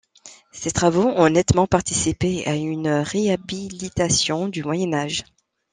Ses travaux ont nettement participé à une réhabilitation du Moyen Âge.